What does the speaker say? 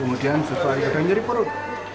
kemudian sesuai kadang kadang nyari perut